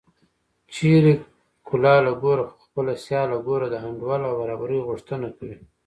چېرې کلاله ګوره خو خپله سیاله ګوره د انډول او برابرۍ غوښتنه کوي